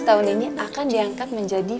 tahun ini akan diangkat menjadi